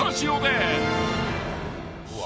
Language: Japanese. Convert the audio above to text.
うわ。